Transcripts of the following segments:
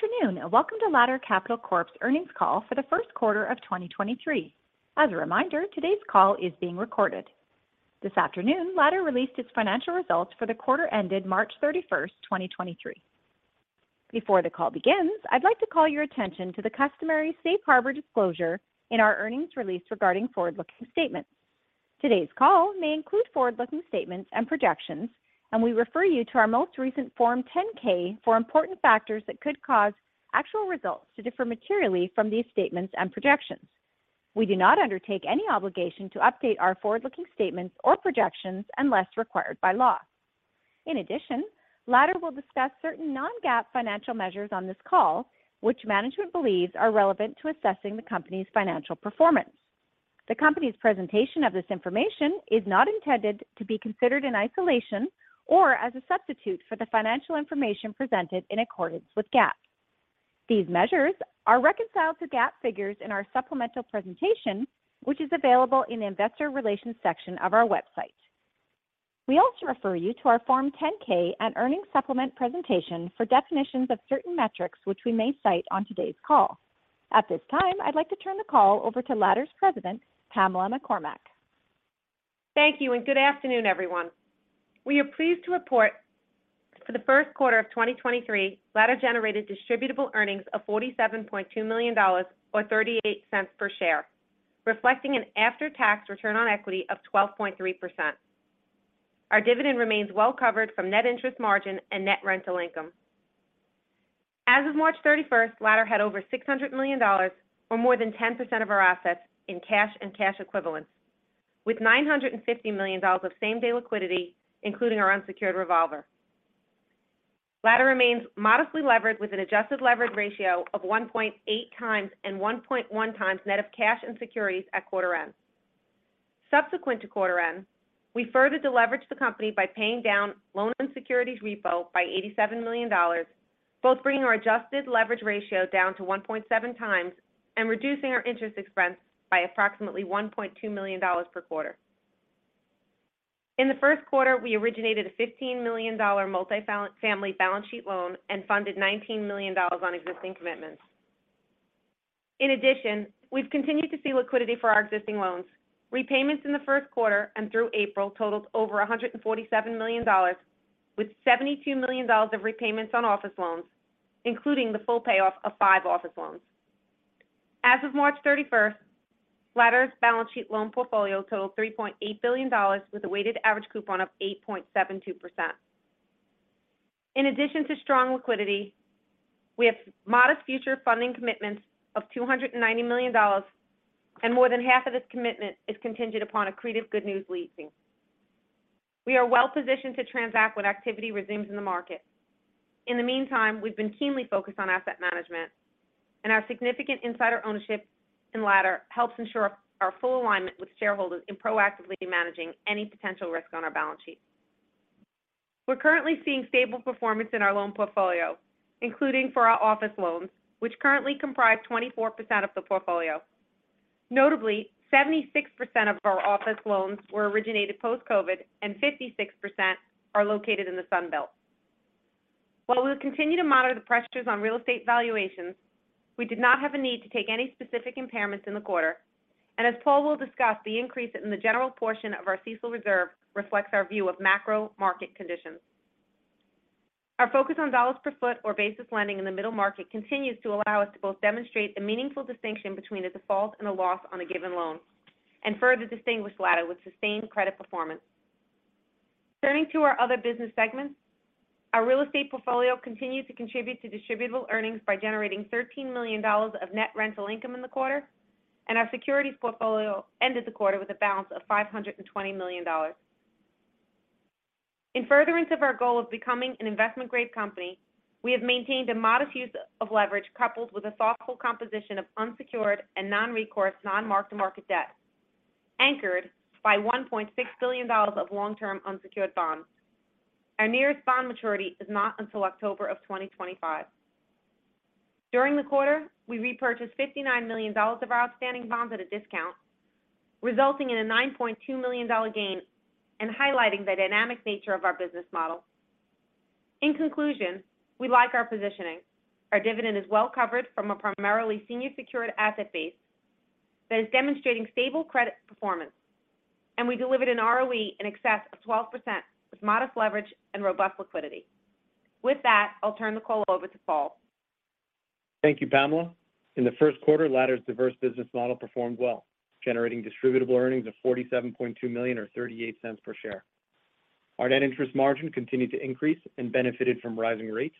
Good afternoon. Welcome to Ladder Capital Corp's Earnings Call for the Q1 of 2023. As a reminder, today's call is being recorded. This afternoon, Ladder released its financial results for the quarter ended March 31st, 2023. Before the call begins, I'd like to call your attention to the customary safe harbor disclosure in our earnings release regarding forward-looking statements. Today's call may include forward-looking statements and projections, and we refer you to our most recent Form 10-K for important factors that could cause actual results to differ materially from these statements and projections. We do not undertake any obligation to update our forward-looking statements or projections unless required by law. In addition, Ladder will discuss certain non-GAAP financial measures on this call, which management believes are relevant to assessing the company's financial performance. The company's presentation of this information is not intended to be considered in isolation or as a substitute for the financial information presented in accordance with GAAP. These measures are reconciled to GAAP figures in our supplemental presentation, which is available in the investor relations section of our website. We also refer you to our Form 10-K and earnings supplement presentation for definitions of certain metrics which we may cite on today's call. At this time, I'd like to turn the call over to Ladder's President, Pamela McCormack. Thank you. Good afternoon, everyone. We are pleased to report for the Q1 of 2023, Ladder generated distributable earnings of $47.2 million or $0.38 per share, reflecting an after-tax return on equity of 12.3%. Our dividend remains well covered from net interest margin and net rental income. As of March 31st, Ladder had over $600 million or more than 10% of our assets in cash and cash equivalents, with $950 million of same-day liquidity, including our unsecured revolver. Ladder remains modestly levered with an adjusted leverage ratio of 1.8x and 1.1x net of cash and securities at quarter end. Subsequent to quarter end, we further deleveraged the company by paying down loans and securities repo by $87 million, both bringing our adjusted leverage ratio down to 1.7x and reducing our interest expense by approximately $1.2 million per quarter. In the Q1, we originated a $15 million multifamily balance sheet loan and funded $19 million on existing commitments. We've continued to see liquidity for our existing loans. Repayments in the Q1 and through April totaled over $147 million, with $72 million of repayments on office loans, including the full payoff of 5 office loans. As of March 31st, Ladder's balance sheet loan portfolio totaled $3.8 billion with a weighted average coupon of 8.72%. In addition to strong liquidity, we have modest future funding commitments of $290 million, More than half of this commitment is contingent upon accretive good news leasing. We are well-positioned to transact when activity resumes in the market. In the meantime, we've been keenly focused on asset management, and our significant insider ownership in Ladder helps ensure our full alignment with shareholders in proactively managing any potential risk on our balance sheet. We're currently seeing stable performance in our loan portfolio, including for our office loans, which currently comprise 24% of the portfolio. Notably, 76% of our office loans were originated post-COVID, and 56% are located in the Sun Belt. While we'll continue to monitor the pressures on real estate valuations, we did not have a need to take any specific impairments in the quarter. As Paul will discuss, the increase in the general portion of our CECL reserve reflects our view of macro-market conditions. Our focus on dollars per foot or basis lending in the middle market continues to allow us to both demonstrate the meaningful distinction between a default and a loss on a given loan and further distinguish Ladder with sustained credit performance. Turning to our other business segments, our real estate portfolio continued to contribute to distributable earnings by generating $13 million of net rental income in the quarter, and our securities portfolio ended the quarter with a balance of $520 million. In furtherance of our goal of becoming an investment-grade company, we have maintained a modest use of leverage coupled with a thoughtful composition of unsecured and non-recourse non-mark-to-market debt, anchored by $1.6 billion of long-term unsecured bonds. Our nearest bond maturity is not until October of 2025. During the quarter, we repurchased $59 million of our outstanding bonds at a discount, resulting in a $9.2 million gain and highlighting the dynamic nature of our business model. We like our positioning. Our dividend is well covered from a primarily senior secured asset base that is demonstrating stable credit performance, and we delivered an ROE in excess of 12% with modest leverage and robust liquidity. With that, I'll turn the call over to Paul. Thank you, Pamela. In the Q1, Ladder's diverse business model performed well, generating distributable earnings of $47.2 million or $0.38 per share. Our net interest margin continued to increase and benefited from rising rates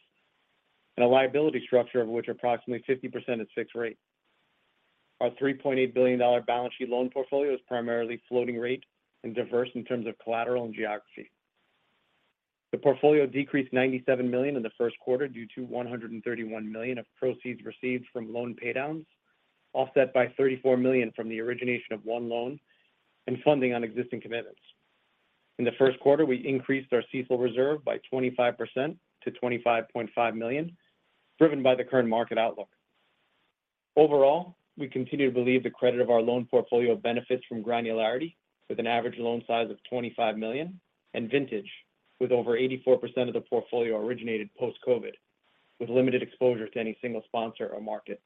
and a liability structure of which approximately 50% is fixed rate. Our $3.8 billion balance sheet loan portfolio is primarily floating rate and diverse in terms of collateral and geography. The portfolio decreased $97 million in the Q1 due to $131 million of proceeds received from loan paydowns, offset by $34 million from the origination of one loan and funding on existing commitments. In the Q1, we increased our CECL reserve by 25% to $25.5 million, driven by the current market outlook. Overall, we continue to believe the credit of our loan portfolio benefits from granularity with an average loan size of $25 million and vintage with over 84% of the portfolio originated post-COVID, with limited exposure to any single sponsor or market.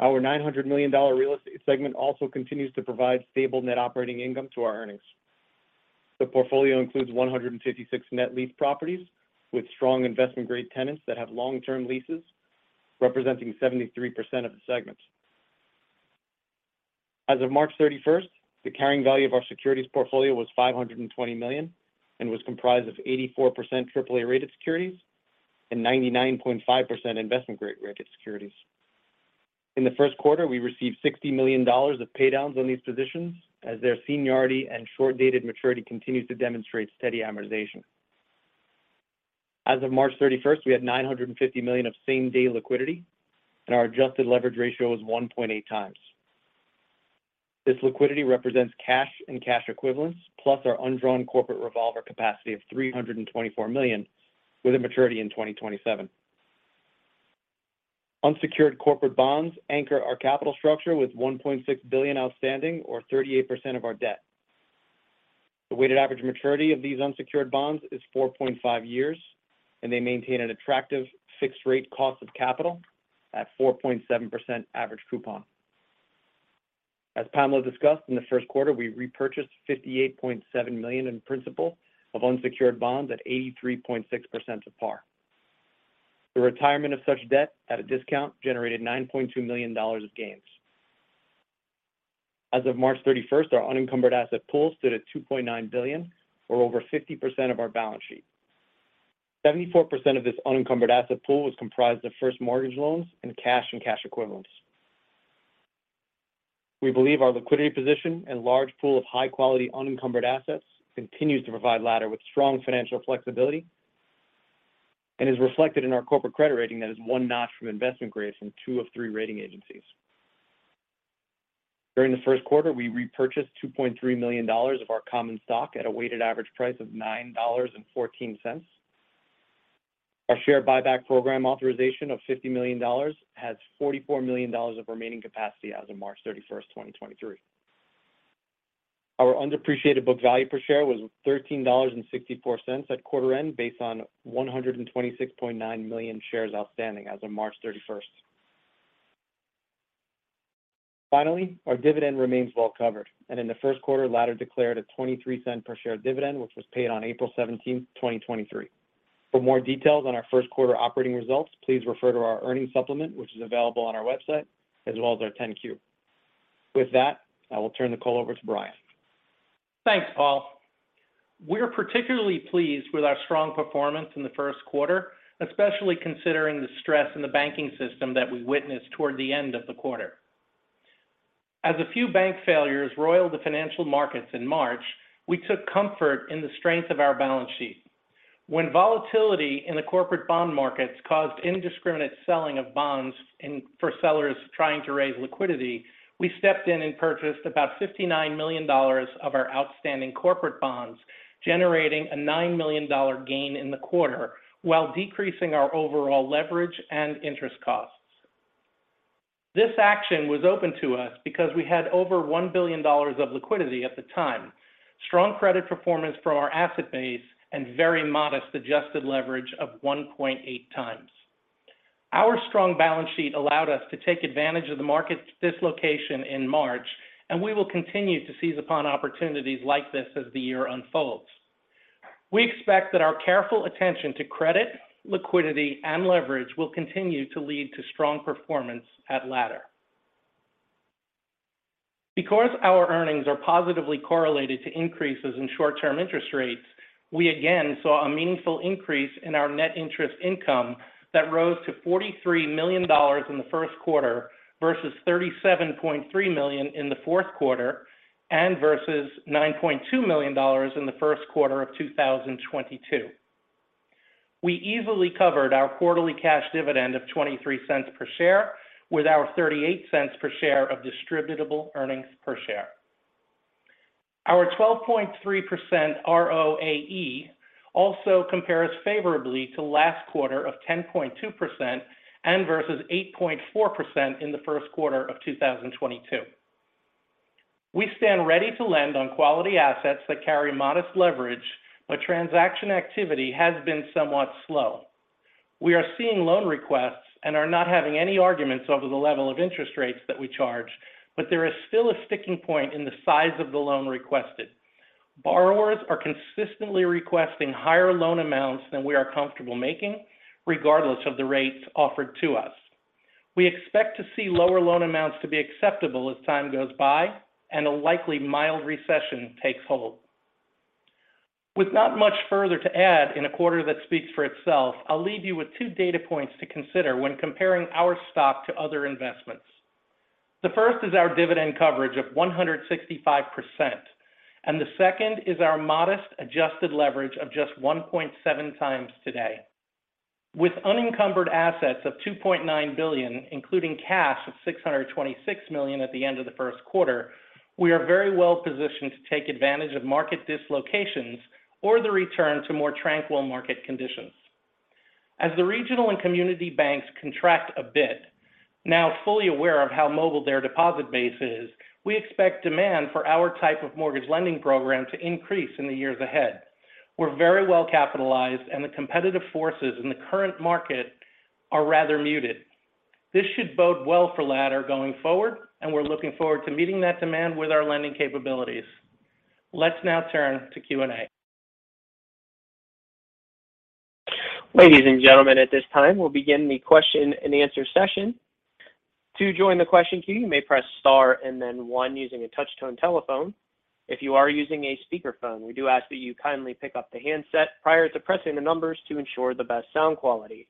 Our $900 million real estate segment also continues to provide stable net operating income to our earnings. The portfolio includes 156 net lease properties with strong investment-grade tenants that have long-term leases, representing 73% of the segment. As of March 31st, the carrying value of our securities portfolio was $520 million and was comprised of 84% AAA-rated securities and 99.5% investment-grade rated securities. In the Q1, we received $60 million of pay downs on these positions as their seniority and short-dated maturity continues to demonstrate steady amortization. As of March 31st, we had $950 million of same-day liquidity, and our adjusted leverage ratio was 1.8x. This liquidity represents cash and cash equivalents, plus our undrawn corporate revolver capacity of $324 million with a maturity in 2027. Unsecured corporate bonds anchor our capital structure with $1.6 billion outstanding or 38% of our debt. The weighted average maturity of these unsecured bonds is 4.5 years, and they maintain an attractive fixed rate cost of capital at 4.7% average coupon. As Pamela discussed, in the Q1, we repurchased $58.7 million in principal of unsecured bonds at 83.6% of par. The retirement of such debt at a discount generated $9.2 million of gains. As of March 31st, our unencumbered asset pool stood at $2.9 billion, or over 50% of our balance sheet. 74% of this unencumbered asset pool was comprised of first mortgage loans and cash and cash equivalents. We believe our liquidity position and large pool of high-quality unencumbered assets continues to provide Ladder with strong financial flexibility and is reflected in our corporate credit rating that is one notch from investment-grade from two of three rating agencies. During the Q1, we repurchased $2.3 million of our common stock at a weighted average price of $9.14. Our share buyback program authorization of $50 million has $44 million of remaining capacity as of March 31st, 2023. Our undepreciated book value per share was $13.64 at quarter end based on 126.9 million shares outstanding as of March 31st. Finally, our dividend remains well covered, and in the Q1, Ladder declared a $0.23 per share dividend, which was paid on April 17th, 2023. For more details on our Q1 operating results, please refer to our earnings supplement, which is available on our website, as well as our 10-Q. With that, I will turn the call over to Brian. Thanks, Paul. We are particularly pleased with our strong performance in the Q1, especially considering the stress in the banking system that we witnessed toward the end of the quarter. As a few bank failures roiled the financial markets in March, we took comfort in the strength of our balance sheet. When volatility in the corporate bond markets caused indiscriminate selling of bonds and for sellers trying to raise liquidity, we stepped in and purchased about $59 million of our outstanding corporate bonds, generating a $9 million gain in the quarter while decreasing our overall leverage and interest costs. This action was open to us because we had over $1 billion of liquidity at the time, strong credit performance from our asset base, and very modest adjusted leverage of 1.8 times. Our strong balance sheet allowed us to take advantage of the market dislocation in March, and we will continue to seize upon opportunities like this as the year unfolds. We expect that our careful attention to credit, liquidity, and leverage will continue to lead to strong performance at Ladder. Because our earnings are positively correlated to increases in short-term interest rates, we again saw a meaningful increase in our net interest margin that rose to $43 million in the Q1 versus $37.3 million in the Q4 and versus $9.2 million in the Q1 of 2022. We easily covered our quarterly cash dividend of $0.23 per share with our $0.38 per share of distributable earnings per share. Our 12.3% ROAE also compares favorably to last quarter of 10.2% and versus 8.4% in the Q1 of 2022. We stand ready to lend on quality assets that carry modest leverage. Transaction activity has been somewhat slow. We are seeing loan requests and are not having any arguments over the level of interest rates that we charge. There is still a sticking point in the size of the loan requested. Borrowers are consistently requesting higher loan amounts than we are comfortable making, regardless of the rates offered to us. We expect to see lower loan amounts to be acceptable as time goes by and a likely mild recession takes hold. With not much further to add in a quarter that speaks for itself, I'll leave you with two data points to consider when comparing our stock to other investments. The first is our dividend coverage of 165%. The second is our modest adjusted leverage of just 1.7x today. With unencumbered assets of $2.9 billion, including cash of $626 million at the end of the Q1, we are very well positioned to take advantage of market dislocations or the return to more tranquil market conditions. As the regional and community banks contract a bit, now fully aware of how mobile their deposit base is, we expect demand for our type of mortgage lending program to increase in the years ahead. We're very well capitalized. The competitive forces in the current market are rather muted. This should bode well for Ladder going forward, and we're looking forward to meeting that demand with our lending capabilities. Let's now turn to Q&A. Ladies and gentlemen, at this time, we'll begin the question and answer session. To join the question queue, you may press star and then one using a touch-tone telephone. If you are using a speakerphone, we do ask that you kindly pick up the handset prior to pressing the numbers to ensure the best sound quality.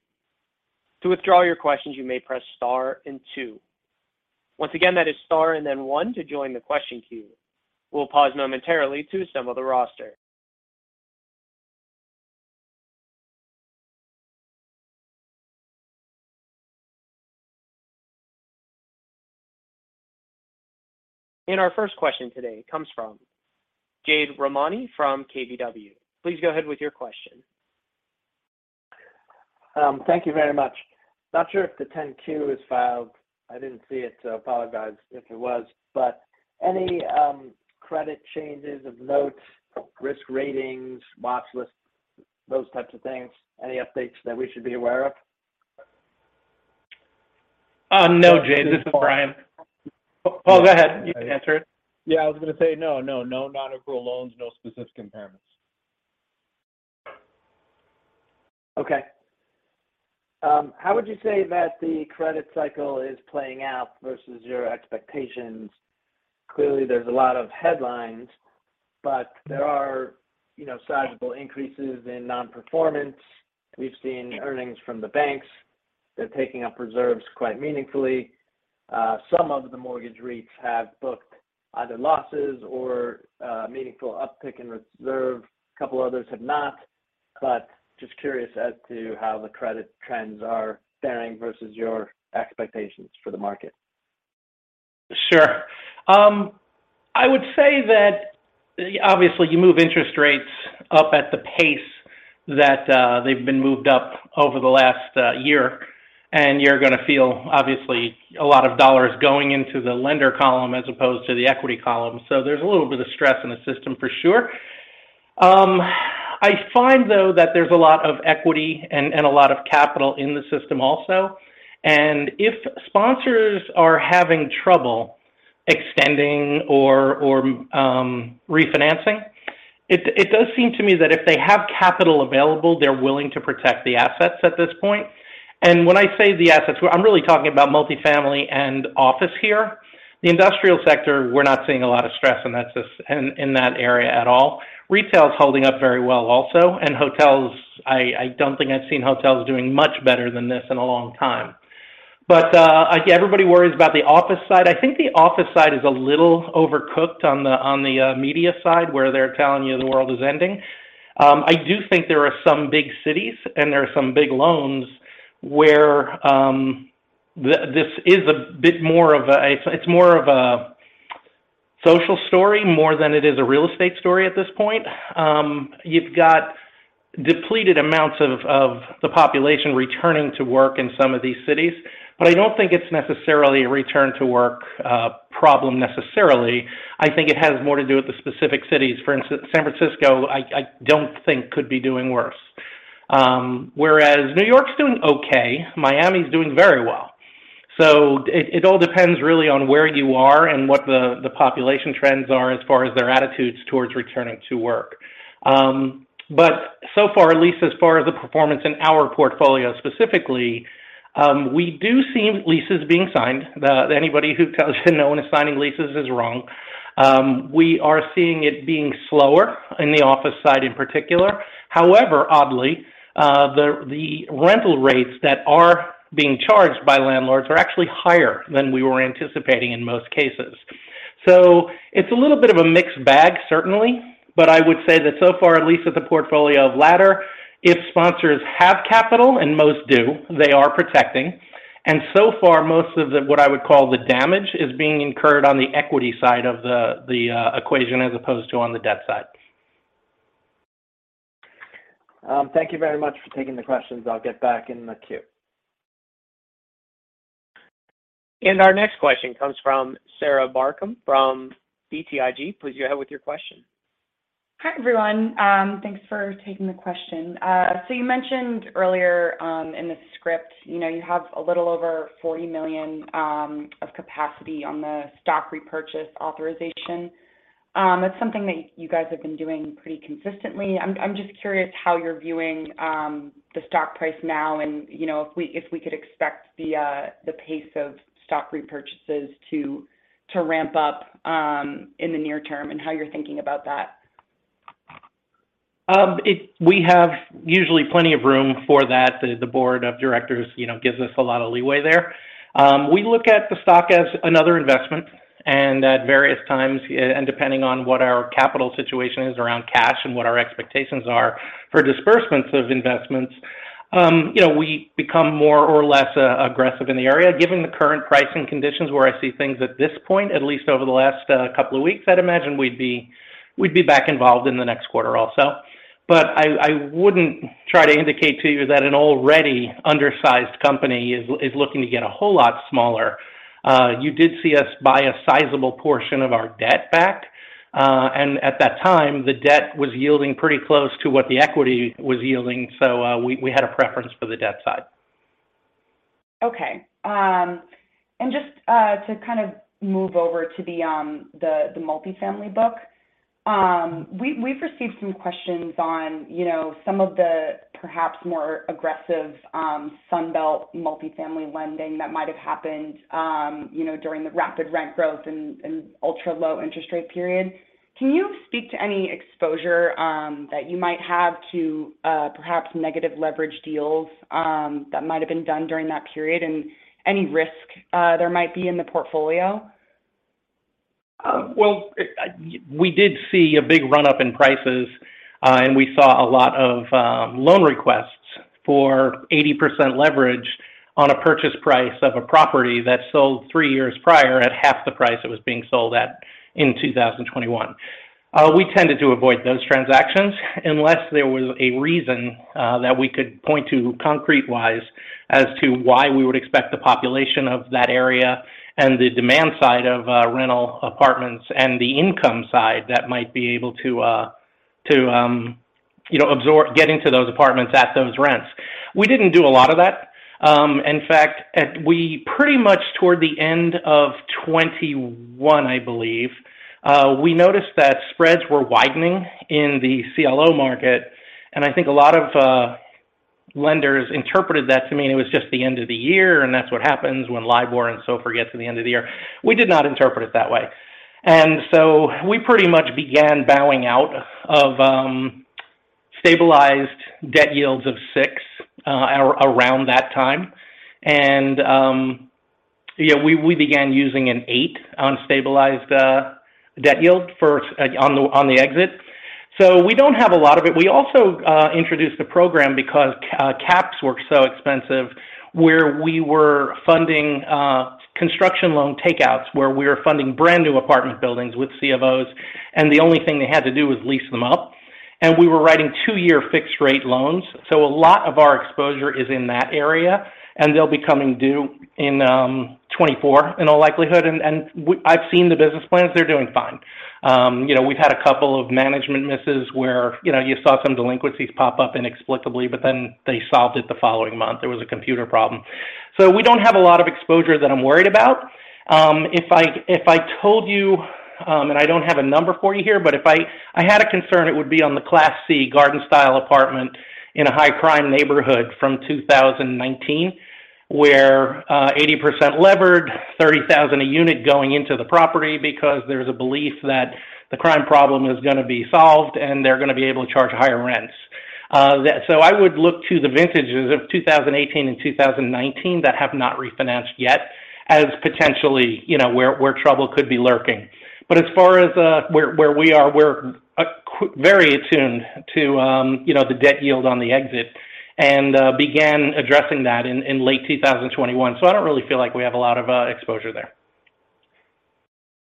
To withdraw your questions, you may press star and two. Once again, that is star and then one to join the question queue. We'll pause momentarily to assemble the roster. Our first question today comes from Jade Rahmani from KBW. Please go ahead with your question. Thank you very much. Not sure if the 10-Q is filed. I didn't see it, so apologize if it was. Any credit changes of notes, risk ratings, watch lists those types of things? Any updates that we should be aware of? No, Jade. This is Brian. Paul, go ahead. You can answer it. Yeah, I was gonna say no, no non-approval loans, no specific impairments. How would you say that the credit cycle is playing out versus your expectations? Clearly, there's a lot of headlines, but there are, you know, sizable increases in non-performance. We've seen earnings from the banks. They're taking up reserves quite meaningfully. Some of the mortgage REITs have booked either losses or meaningful uptick in reserve. A couple others have not. Just curious as to how the credit trends are faring versus your expectations for the market. Sure. I would say that obviously you move interest rates up at the pace that they've been moved up over the last year, you're gonna feel obviously a lot of dollars going into the lender column as opposed to the equity column. There's a little bit of stress in the system for sure. I find though that there's a lot of equity and a lot of capital in the system also. If sponsors are having trouble extending or refinancing, it does seem to me that if they have capital available, they're willing to protect the assets at this point. When I say the assets, I'm really talking about multifamily and office here. The industrial sector, we're not seeing a lot of stress in that area at all. Retail is holding up very well also. I don't think I've seen hotels doing much better than this in a long time. Again, everybody worries about the office side. I think the office side is a little overcooked on the media side, where they're telling you the world is ending. I do think there are some big cities and there are some big loans where this is a bit more of a social story more than it is a real estate story at this point. You've got depleted amounts of the population returning to work in some of these cities. I don't think it's necessarily a return to work problem necessarily. I think it has more to do with the specific cities. For instance, San Francisco, I don't think could be doing worse. Whereas New York's doing okay. Miami's doing very well. It all depends really on where you are and what the population trends are as far as their attitudes towards returning to work. So far, at least as far as the performance in our portfolio specifically, we do see leases being signed. Anybody who tells you no one is signing leases is wrong. We are seeing it being slower in the office side in particular. However, oddly, the rental rates that are being charged by landlords are actually higher than we were anticipating in most cases. It's a little bit of a mixed bag certainly. I would say that so far, at least with the portfolio of Ladder, if sponsors have capital, and most do, they are protecting. So far, most of the, what I would call the damage is being incurred on the equity side of the equation as opposed to on the debt side. Thank you very much for taking the questions. I'll get back in the queue. Our next question comes from Sarah Barcomb from BTIG. Please go ahead with your question. Hi, everyone. Thanks for taking the question. You mentioned earlier, in the script, you know, you have a little over $40 million of capacity on the stock repurchase authorization. That's something that you guys have been doing pretty consistently. I'm just curious how you're viewing the stock price now and, you know, if we, if we could expect the pace of stock repurchases to ramp up in the near term and how you're thinking about that. We have usually plenty of room for that. The board of directors, you know, gives us a lot of leeway there. We look at the stock as another investment, and at various times, and depending on what our capital situation is around cash and what our expectations are for disbursements of investments, you know, we become more or less aggressive in the area. Given the current pricing conditions where I see things at this point, at least over the last couple of weeks, I'd imagine we'd be back involved in the next quarter also. I wouldn't try to indicate to you that an already undersized company is looking to get a whole lot smaller. You did see us buy a sizable portion of our debt back. At that time, the debt was yielding pretty close to what the equity was yielding. We had a preference for the debt side. Just to kind of move over to the the multifamily book. We, we've received some questions on, you know, some of the perhaps more aggressive Sun Belt multifamily lending that might have happened, you know, during the rapid rent growth and ultra-low interest rate period. Can you speak to any exposure that you might have to perhaps negative leverage deals that might have been done during that period and any risk there might be in the portfolio? Well, we did see a big run-up in prices, and we saw a lot of loan requests for 80% leverage on a purchase price of a property that sold 3 years prior at half the price it was being sold at in 2021. We tended to avoid those transactions unless there was a reason that we could point to concrete-wise as to why we would expect the population of that area and the demand side of rental apartments and the income side that might be able to to, you know, get into those apartments at those rents. We didn't do a lot of that. In fact, we pretty much toward the end of 21, I believe, we noticed that spreads were widening in the CLO market. I think a lot of lenders interpreted that to mean it was just the end of the year, and that's what happens when LIBOR and SOFR get to the end of the year. We did not interpret it that way. We pretty much began bowing out of stabilized debt yields of 6, around that time. Yeah, we began using an 8 on stabilized debt yield for on the exit. We don't have a lot of it. We also introduced a program because caps were so expensive where we were funding construction loan takeouts, where we were funding brand-new apartment buildings with CLOs, and the only thing they had to do was lease them up. We were writing 2-year fixed rate loans. A lot of our exposure is in that area, and they'll be coming due in 2024 in all likelihood. I've seen the business plans, they're doing fine. You know, we've had a couple of management misses where, you know, you saw some delinquencies pop up inexplicably, they solved it the following month. It was a computer problem. We don't have a lot of exposure that I'm worried about. If I told you, and I don't have a number for you here, but if I had a concern, it would be on the Class C garden-style apartment in a high-crime neighborhood from 2019 where 80% levered, $30,000 a unit going into the property because there's a belief that the crime problem is gonna be solved and they're gonna be able to charge higher rents. I would look to the vintages of 2018 and 2019 that have not refinanced yet as potentially, you know, where trouble could be lurking. As far as where we are, we're very attuned to, you know, the debt yield on the exit and began addressing that in late 2021. I don't really feel like we have a lot of exposure there.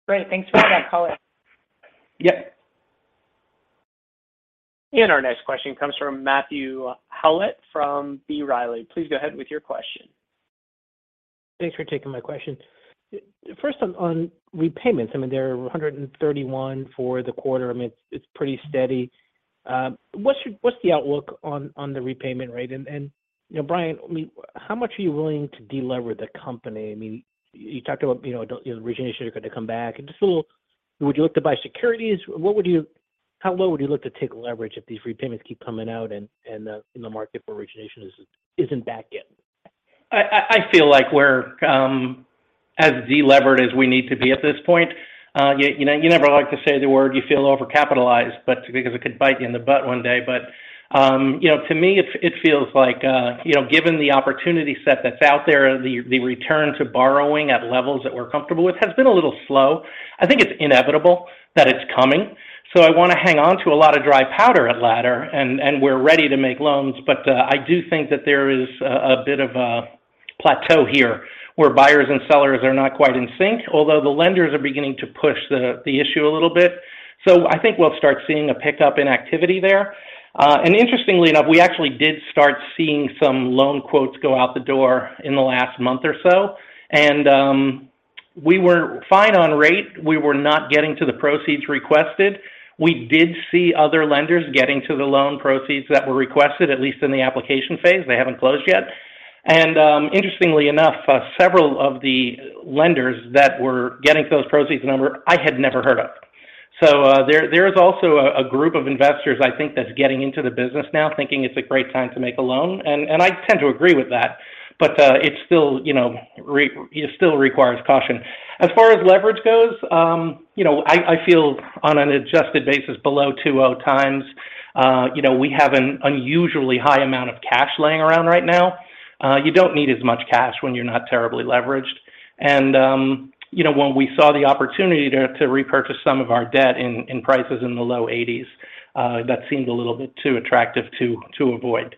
Great. Thanks for that color. Yeah. Our next question comes from Matthew Howlett from B. Riley. Please go ahead with your question. Thanks for taking my question. First on repayments, I mean, there were 131 for the quarter. I mean, it's pretty steady. What's the outlook on the repayment rate? You know, Brian, I mean, how much are you willing to delever the company? I mean, you talked about, you know, the origination are gonna come back. Just a little, would you look to buy securities? How low would you look to take leverage if these repayments keep coming out and the market for origination isn't back yet? I feel like we're as delevered as we need to be at this point. You know, you never like to say the word you feel overcapitalized, but because it could bite you in the butt one day. You know, to me it feels like, you know, given the opportunity set that's out there, the return to borrowing at levels that we're comfortable with has been a little slow. I think it's inevitable that it's coming. I want to hang on to a lot of dry powder at Ladder, and we're ready to make loans. I do think that there is a bit of a plateau here where buyers and sellers are not quite in sync, although the lenders are beginning to push the issue a little bit. I think we'll start seeing a pickup in activity there. Interestingly enough, we actually did start seeing some loan quotes go out the door in the last month or so. We were fine on rate. We were not getting to the proceeds requested. We did see other lenders getting to the loan proceeds that were requested, at least in the application phase. They haven't closed yet. Interestingly enough, several of the lenders that were getting to those proceeds number I had never heard of. There is also a group of investors I think that's getting into the business now thinking it's a great time to make a loan. I tend to agree with that, but it still, you know, it still requires caution. As far as leverage goes, you know, I feel on an adjusted basis below 2.0x. You know, we have an unusually high amount of cash laying around right now. You don't need as much cash when you're not terribly leveraged. You know, when we saw the opportunity to repurchase some of our debt in prices in the low 80s, that seemed a little bit too attractive to avoid.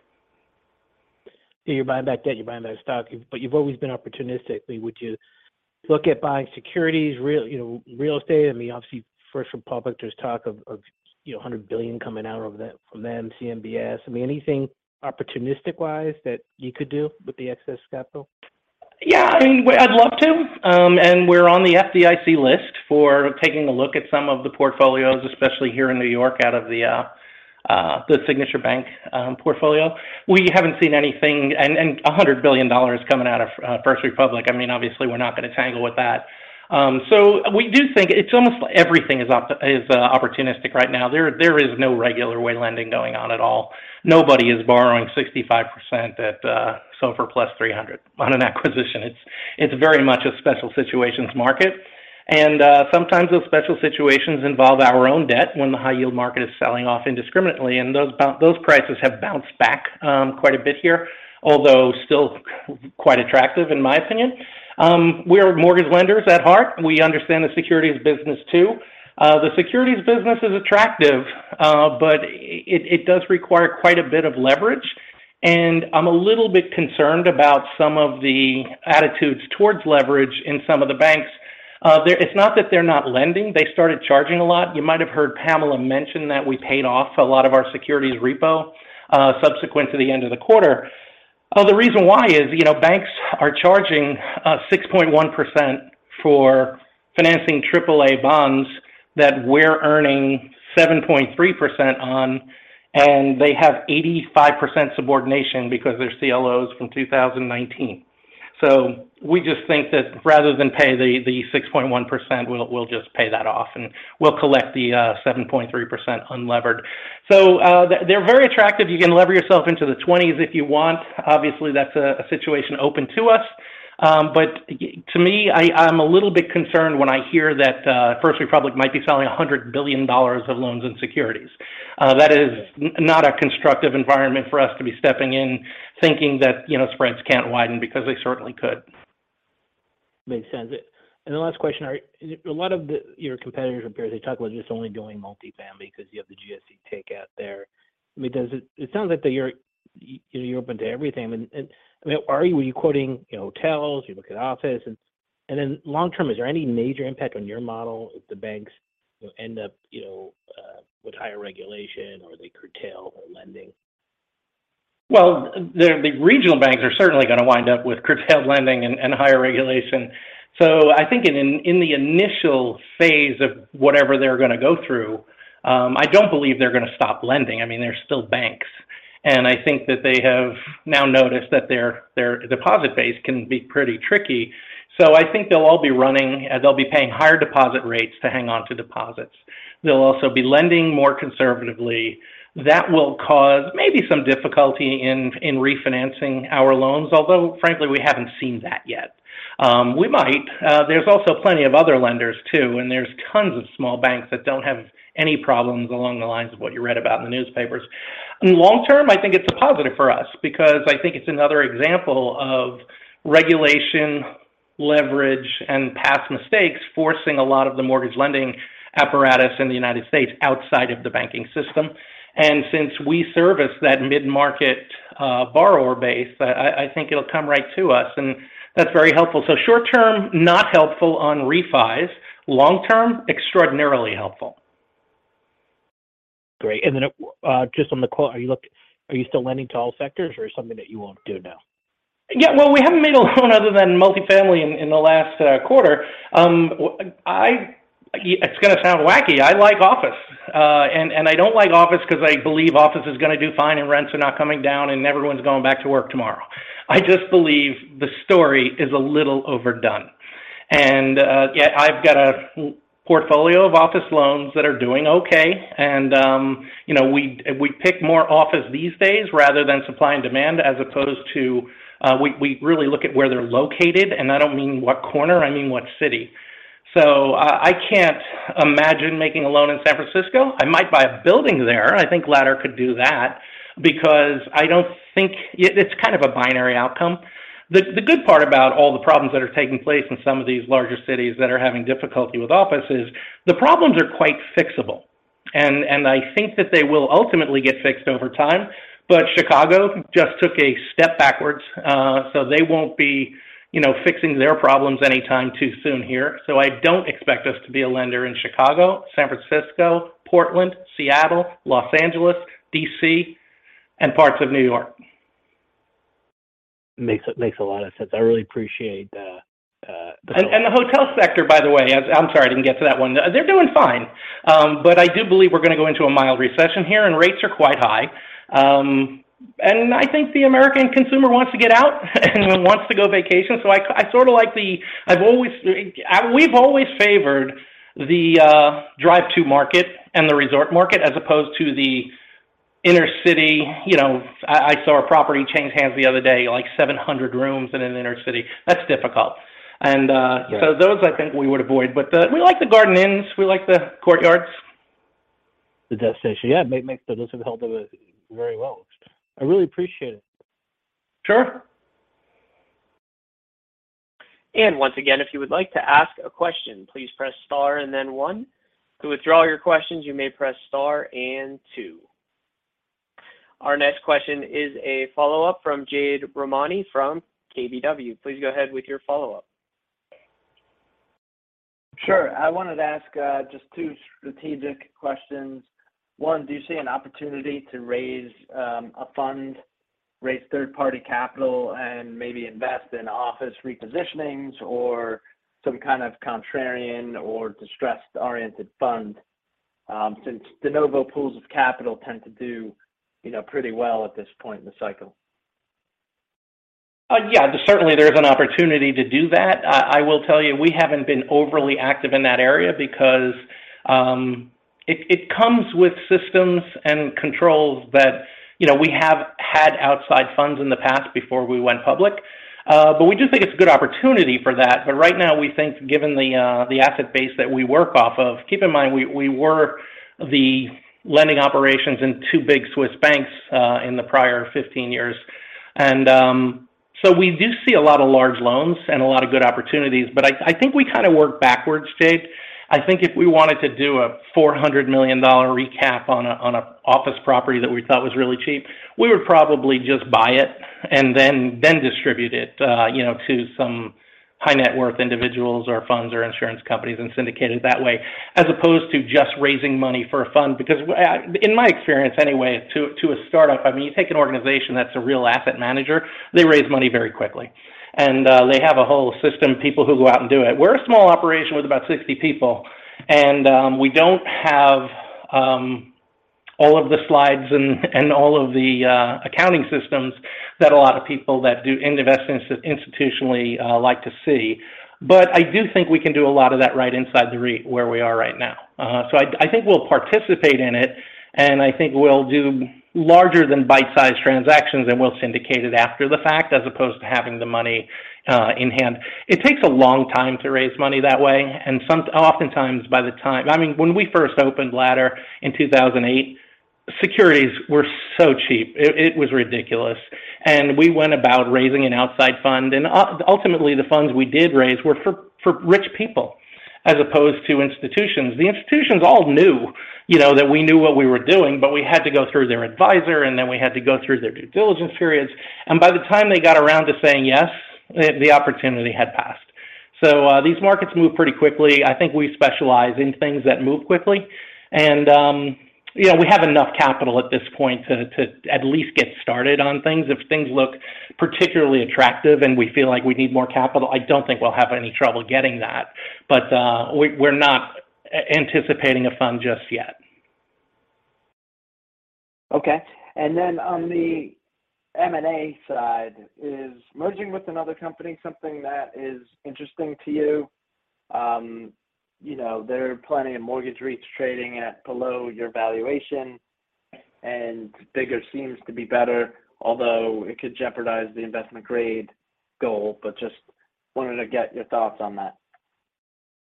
You're buying back debt, you're buying back stock, you've always been opportunistically. Would you look at buying securities, real, you know, real estate? I mean, obviously, First Republic, there's talk of, you know, $100 billion coming out from them, CMBS. I mean, anything opportunistic-wise that you could do with the excess capital? Yeah, I mean, I'd love to. We're on the FDIC list for taking a look at some of the portfolios, especially here in New York, out of the Signature Bank portfolio. We haven't seen anything. A hundred billion dollars coming out of First Republic, I mean, obviously, we're not gonna tangle with that. We do think it's almost everything is opportunistic right now. There is no regular way lending going on at all. Nobody is borrowing 65% at SOFR plus 300 on an acquisition. It's very much a special situations market. Sometimes those special situations involve our own debt when the high yield market is selling off indiscriminately, and those prices have bounced back quite a bit here, although still quite attractive, in my opinion. We're mortgage lenders at heart. We understand the securities business too. The securities business is attractive, but it does require quite a bit of leverage, and I'm a little bit concerned about some of the attitudes towards leverage in some of the banks. It's not that they're not lending. They started charging a lot. You might have heard Pamela mention that we paid off a lot of our securities repo subsequent to the end of the quarter. The reason why is, you know, banks are charging 6.1% for financing triple A bonds that we're earning 7.3% on, and they have 85% subordination because they're CLOs from 2019. We just think that rather than pay the 6.1%, we'll just pay that off, and we'll collect the 7.3% unlevered. They're very attractive. You can lever yourself into the twenties if you want. Obviously, that's a situation open to us. To me, I'm a little bit concerned when I hear that First Republic might be selling $100 billion of loans and securities. That is not a constructive environment for us to be stepping in thinking that, you know, spreads can't widen because they certainly could. Makes sense. The last question. A lot of your competitors up here, they talk about just only doing multifamily because you have the GSE takeout there. Does it... It sounds like that you're, you're open to everything. Were you quoting, you know, hotels? You look at offices? Long term, is there any major impact on your model if the banks will end up, you know, with higher regulation or they curtail their lending? Well, the regional banks are certainly gonna wind up with curtailed lending and higher regulation. I think in the initial phase of whatever they're gonna go through, I don't believe they're gonna stop lending. I mean, they're still banks. I think that they have now noticed that their deposit base can be pretty tricky. I think they'll all be running. They'll be paying higher deposit rates to hang on to deposits. They'll also be lending more conservatively. That will cause maybe some difficulty in refinancing our loans, although, frankly, we haven't seen that yet. We might. There's also plenty of other lenders too, and there's tons of small banks that don't have any problems along the lines of what you read about in the newspapers. In the long term, I think it's a positive for us because I think it's another example of regulation, leverage, and past mistakes forcing a lot of the mortgage lending apparatus in the United States outside of the banking system. Since we service that mid-market borrower base, I think it'll come right to us, and that's very helpful. Short term, not helpful on refis. Long term, extraordinarily helpful. Great. Just on the quote, are you still lending to all sectors or something that you won't do now? Yeah. Well, we haven't made a loan other than multifamily in the last quarter. It's gonna sound wacky. I like office. I don't like office 'cause I believe office is gonna do fine and rents are not coming down, and everyone's going back to work tomorrow. I just believe the story is a little overdone. Yeah, I've got a portfolio of office loans that are doing okay. You know, we pick more office these days rather than supply and demand, as opposed to, we really look at where they're located, and I don't mean what corner, I mean what city. I can't imagine making a loan in San Francisco. I might buy a building there. I think Ladder could do that because I don't think it's kind of a binary outcome. The good part about all the problems that are taking place in some of these larger cities that are having difficulty with office is the problems are quite fixable. I think that they will ultimately get fixed over time. Chicago just took a step backwards, they won't be, you know, fixing their problems anytime too soon here. I don't expect us to be a lender in Chicago, San Francisco, Portland, Seattle, Los Angeles, D.C., and parts of New York. Makes a lot of sense. I really appreciate. The hotel sector, by the way. I'm sorry I didn't get to that one. They're doing fine. I do believe we're gonna go into a mild recession here, and rates are quite high. I think the American consumer wants to get out and wants to go vacation. I sorta like the... We've always favored the drive to market and the resort market as opposed to the inner city. You know, I saw a property change hands the other day, like 700 rooms in an inner city. That's difficult. Yeah. Those I think we would avoid. We like the Garden Inns, we like the Courtyards. The destination. Yeah. Make those have held up very well. I really appreciate it. Sure. Once again, if you would like to ask a question, please press star and then one. To withdraw your questions, you may press star and two. Our next question is a follow-up from Jade Rahmani from KBW. Please go ahead with your follow-up. Sure. I wanted to ask, just 2 strategic questions. One, do you see an opportunity to raise a fund, raise third-party capital, and maybe invest in office repositionings or some kind of contrarian or distressed-oriented fund, since de novo pools of capital tend to do, you know, pretty well at this point in the cycle? Yeah. Certainly, there's an opportunity to do that. I will tell you, we haven't been overly active in that area because it comes with systems and controls that. You know, we have had outside funds in the past before we went public. We do think it's a good opportunity for that. Right now we think, given the asset base that we work off of. Keep in mind, we were the lending operations in two big Swiss banks in the prior 15 years. We do see a lot of large loans and a lot of good opportunities. I think we kinda work backwards, Jade. I think if we wanted to do a $400 million recap on a office property that we thought was really cheap, we would probably just buy it and then distribute it, you know, to some high net worth individuals or funds or insurance companies and syndicate it that way, as opposed to just raising money for a fund. Because in my experience anyway, to a startup, I mean, you take an organization that's a real asset manager, they raise money very quickly. They have a whole system of people who go out and do it. We're a small operation with about 60 people, and we don't have all of the slides and all of the accounting systems that a lot of people that do investments institutionally like to see. I do think we can do a lot of that right inside where we are right now. I think we'll participate in it, and I think we'll do larger than bite-sized transactions, and we'll syndicate it after the fact as opposed to having the money in hand. It takes a long time to raise money that way. Oftentimes by the time. I mean, when we first opened Ladder in 2008, securities were so cheap, it was ridiculous. We went about raising an outside fund. Ultimately, the funds we did raise were for rich people as opposed to institutions. The institutions all knew, you know, that we knew what we were doing, but we had to go through their advisor, and then we had to go through their due diligence periods. By the time they got around to saying yes, the opportunity had passed. These markets move pretty quickly. I think we specialize in things that move quickly. You know, we have enough capital at this point to at least get started on things. If things look particularly attractive and we feel like we need more capital, I don't think we'll have any trouble getting that. We're not anticipating a fund just yet. Okay. Then on the M&A side, is merging with another company something that is interesting to you? you know, there are plenty of mortgage REITs trading at below your valuation, bigger seems to be better, although it could jeopardize the investment-grade goal. just wanted to get your thoughts on that.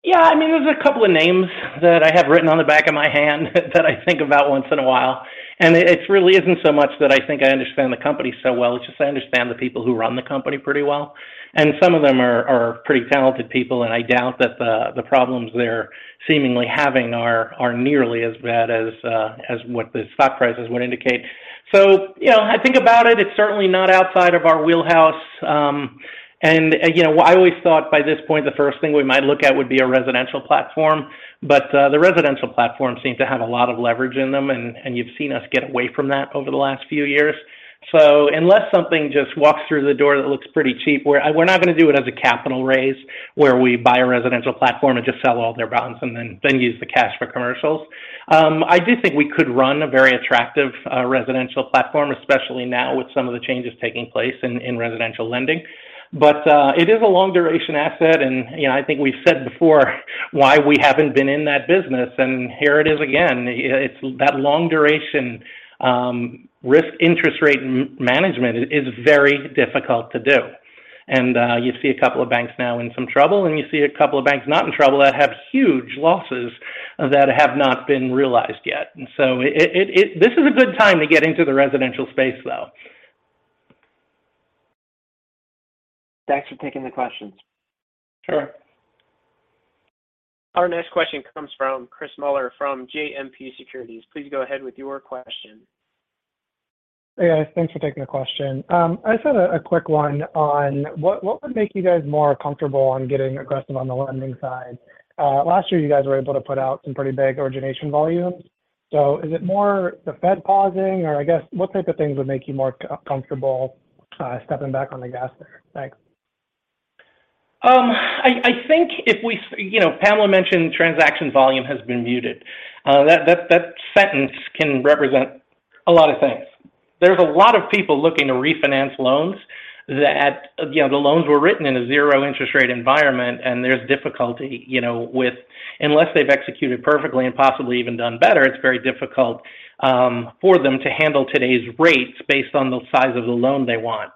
Yeah. I mean, there's a couple of names that I have written on the back of my hand that I think about once in a while. It really isn't so much that I think I understand the company so well, it's just I understand the people who run the company pretty well. Some of them are pretty talented people, and I doubt that the problems they're seemingly having are nearly as bad as what the stock prices would indicate. You know, I think about it. It's certainly not outside of our wheelhouse. You know, I always thought by this point the first thing we might look at would be a residential platform. The residential platforms seem to have a lot of leverage in them, and you've seen us get away from that over the last few years. Unless something just walks through the door that looks pretty cheap, we're not gonna do it as a capital raise where we buy a residential platform and just sell all their loans and then use the cash for commercials. I do think we could run a very attractive residential platform, especially now with some of the changes taking place in residential lending. It is a long duration asset. You know, I think we've said before why we haven't been in that business, and here it is again. It's that long duration, risk interest rate management is very difficult to do. You see a couple of banks now in some trouble, and you see a couple of banks not in trouble that have huge losses that have not been realized yet. This is a good time to get into the residential space though. Thanks for taking the questions. Sure. Our next question comes from Chris Muller from JMP Securities. Please go ahead with your question. Hey, guys. Thanks for taking the question. I just had a quick one on what would make you guys more comfortable on getting aggressive on the lending side? Last year you guys were able to put out some pretty big origination volumes. Is it more the Fed pausing? I guess, what type of things would make you more comfortable stepping back on the gas there? Thanks. I think if we You know, Pamela McCormack mentioned transaction volume has been muted. That sentence can represent a lot of things. There's a lot of people looking to refinance loans that, you know, the loans were written in a 0 interest rate environment, and there's difficulty, you know, with... Unless they've executed perfectly and possibly even done better, it's very difficult for them to handle today's rates based on the size of the loan they want.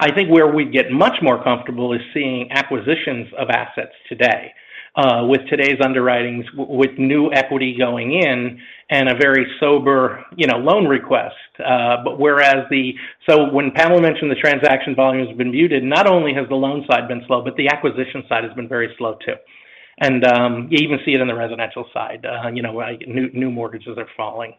I think where we'd get much more comfortable is seeing acquisitions of assets today. With today's underwritings, with new equity going in and a very sober, you know, loan request. But whereas the... When Pamela McCormack mentioned the transaction volume has been muted, not only has the loan side been slow, but the acquisition side has been very slow too. You even see it in the residential side, you know, like new mortgages are falling,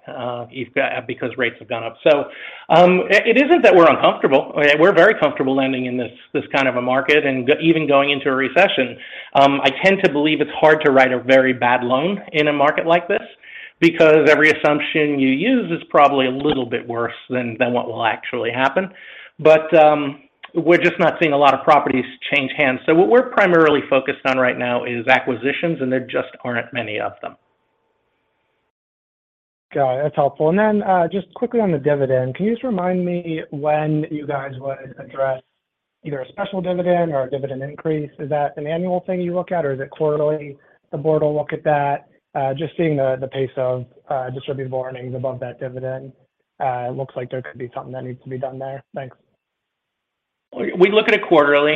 you've got because rates have gone up. It isn't that we're uncomfortable. We're very comfortable lending in this kind of a market and even going into a recession. I tend to believe it's hard to write a very bad loan in a market like this because every assumption you use is probably a little bit worse than what will actually happen. We're just not seeing a lot of properties change hands. What we're primarily focused on right now is acquisitions, and there just aren't many of them. Got it. That's helpful. Just quickly on the dividend, can you just remind me when you guys would address either a special dividend or a dividend increase? Is that an annual thing you look at or is it quarterly the board will look at that? Just seeing the pace of distributed earnings above that dividend, it looks like there could be something that needs to be done there. Thanks. We look at it quarterly,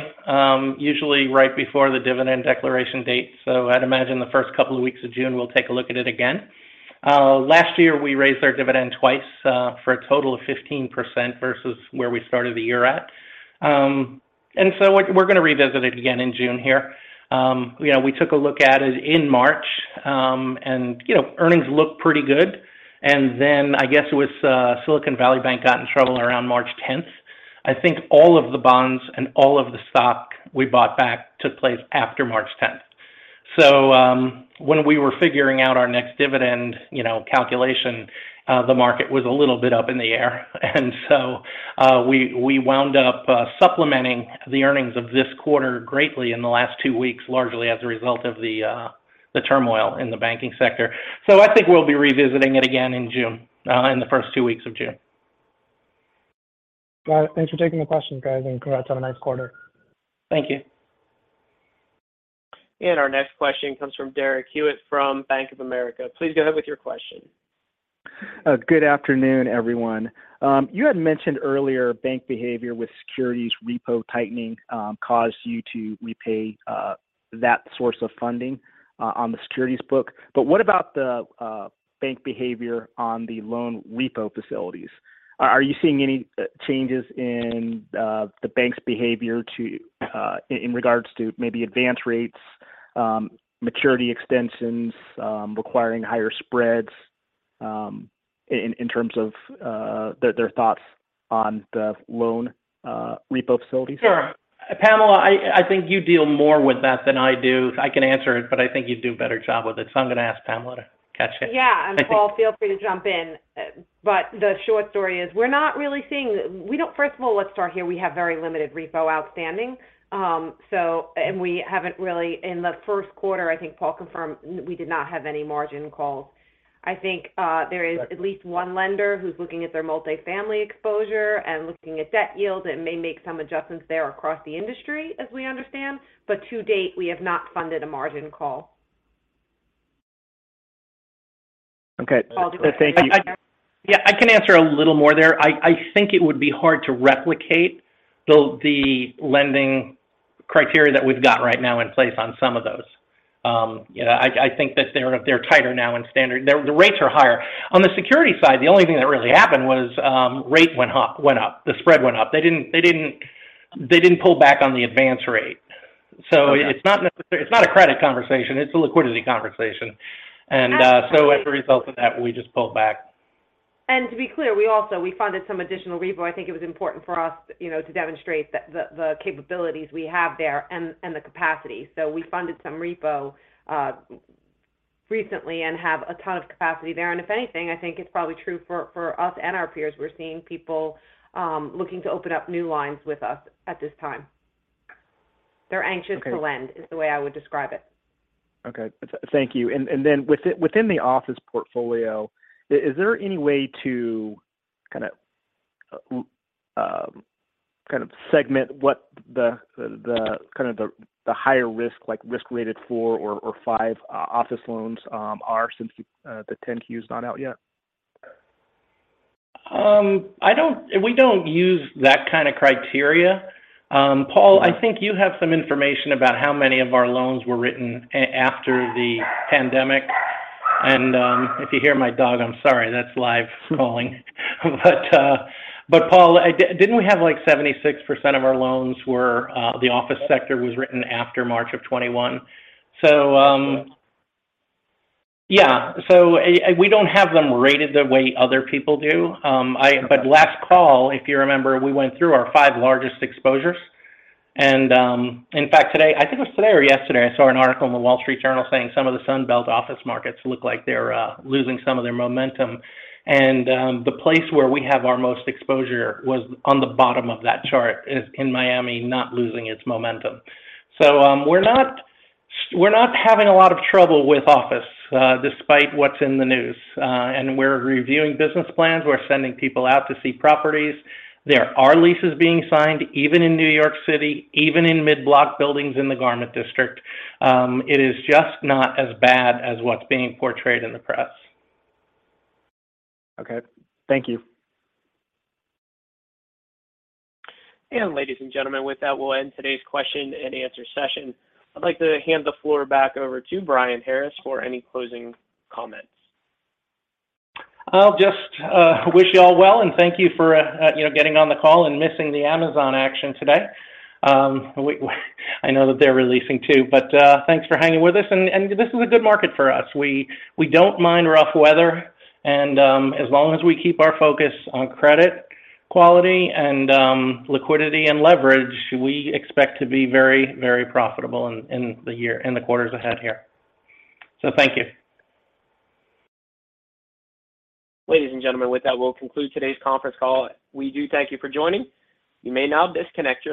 usually right before the dividend declaration date. I'd imagine the first couple of weeks of June, we'll take a look at it again. Last year, we raised our dividend twice for a total of 15% versus where we started the year at. We're gonna revisit it again in June here. You know, we took a look at it in March, and, you know, earnings look pretty good. Then I guess with Silicon Valley Bank got in trouble around March 10th, I think all of the bonds and all of the stock we bought back took place after March 10th. When we were figuring out our next dividend, you know, calculation, the market was a little bit up in the air. We wound up supplementing the earnings of this quarter greatly in the last two weeks, largely as a result of the turmoil in the banking sector. I think we'll be revisiting it again in June, in the first two weeks of June. Got it. Thanks for taking the questions, guys, and congrats on a nice quarter. Thank you. Our next question comes from Derek Hewett from Bank of America. Please go ahead with your question. Good afternoon, everyone. You had mentioned earlier bank behavior with securities repo tightening, caused you to repay that source of funding on the securities book. What about the bank behavior on the loan repo facilities? Are you seeing any changes in the bank's behavior in regards to maybe advance rates, maturity extensions, requiring higher spreads, in terms of their thoughts on the loan repo facilities? Sure. Pamela, I think you deal more with that than I do. I can answer it, but I think you'd do a better job with it. I'm gonna ask Pamela to catch it. Yeah. Paul, feel free to jump in. The short story is, first of all, let's start here. We have very limited repo outstanding. We haven't really, in the Q1, I think Paul confirmed we did not have any margin calls. I think, there is at least one lender who's looking at their multifamily exposure and looking at debt yields and may make some adjustments there across the industry, as we understand. To date, we have not funded a margin call. Okay. Thank you. Yeah, I can answer a little more there. I think it would be hard to replicate the lending criteria that we've got right now in place on some of those. You know, I think that they're tighter now in standard. The rates are higher. On the security side, the only thing that really happened was rate went up. The spread went up. They didn't pull back on the advance rate. It's not a credit conversation, it's a liquidity conversation. As a result of that, we just pulled back. To be clear, we funded some additional repo. I think it was important for us, you know, to demonstrate the capabilities we have there and the capacity. We funded some repo recently and have a ton of capacity there. If anything, I think it's probably true for us and our peers, we're seeing people looking to open up new lines with us at this time. They're anxious to lend, is the way I would describe it. Okay. Thank you. Within the office portfolio, is there any way to kinda, kind of segment what the kind of the higher risk, like risk-rated 4 or 5 office loans are since you the 10-Q is not out yet? We don't use that kind of criteria. Paul, I think you have some information about how many of our loans were written after the pandemic. If you hear my dog, I'm sorry, that's live calling. But Paul, didn't we have, like, 76% of our loans were the office sector was written after March of 2021? Yeah. We don't have them rated the way other people do. But last call, if you remember, we went through our five largest exposures. In fact, today, I think it was today or yesterday, I saw an article in the Wall Street Journal saying some of the Sun Belt office markets look like they're losing some of their momentum. The place where we have our most exposure was on the bottom of that chart is, in Miami, not losing its momentum. We're not having a lot of trouble with office, despite what's in the news. We're reviewing business plans. We're sending people out to see properties. There are leases being signed, even in New York City, even in mid-block buildings in the Garment District. It is just not as bad as what's being portrayed in the press. Okay. Thank you. Ladies and gentlemen, with that, we'll end today's question and answer session. I'd like to hand the floor back over to Brian Harris for any closing comments. I'll just wish you all well, and thank you for, you know, getting on the call and missing the Amazon action today. I know that they're releasing too, but thanks for hanging with us. This is a good market for us. We don't mind rough weather. As long as we keep our focus on credit quality and liquidity and leverage, we expect to be very, very profitable in the year, in the quarters ahead here. Thank you. Ladies and gentlemen, with that, we'll conclude today's conference call. We do thank you for joining. You may now disconnect your lines.